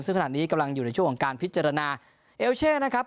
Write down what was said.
ซึ่งขณะนี้กำลังอยู่ในช่วงของการพิจารณาเอลเช่นะครับ